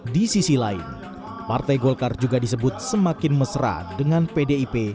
di sisi lain partai golkar juga disebut semakin mesra dengan pdip